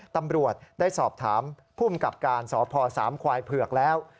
ตำรวจได้สอบถามภูมิกับการสพสามควายเผือกแล้ว